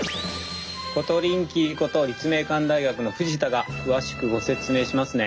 コトリンキーこと立命館大学の藤田が詳しくご説明しますね。